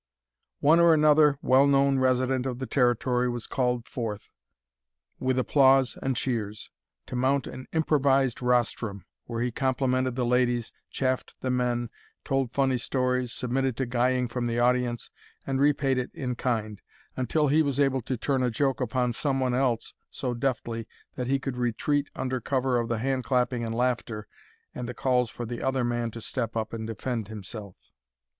One or another well known resident of the Territory was called forth, with applause and cheers, to mount an improvised rostrum, where he complimented the ladies, chaffed the men, told funny stories, submitted to guying from the audience and repaid it in kind, until he was able to turn a joke upon some one else so deftly that he could retreat under cover of the hand clapping and laughter and the calls for the other man to step up and defend himself.